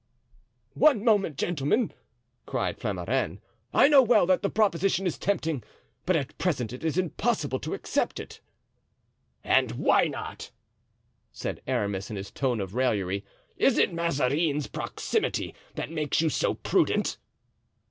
"One moment, gentlemen," cried Flamarens. "I know well that the proposition is tempting, but at present it is impossible to accept it." "And why not?" said Aramis, in his tone of raillery. "Is it Mazarin's proximity that makes you so prudent?"